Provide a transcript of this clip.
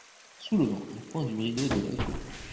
Soulevant un coin du rideau de l’alcôve.